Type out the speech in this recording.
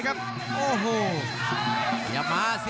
รับทราบบรรดาศักดิ์